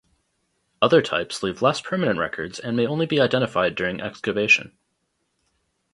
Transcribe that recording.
Other types leave less permanent records and may only be identified during excavation.